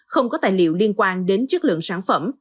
không có tài liệu liên quan đến chất lượng sản phẩm